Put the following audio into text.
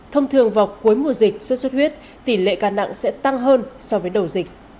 thông thường vào cuối mùa dịch sốt xuất huyết tỷ lệ ca nặng sẽ tăng hơn so với đầu dịch